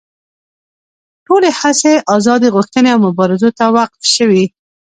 ټولې هڅې ازادي غوښتنې او مبارزو ته وقف شوې.